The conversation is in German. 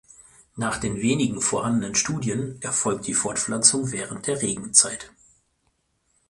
Nach den wenigen vorhandenen Studien erfolgt die Fortpflanzung während der Regenzeit.